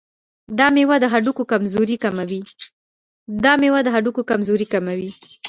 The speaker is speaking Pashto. دا مېوه د هډوکو کمزوري کموي.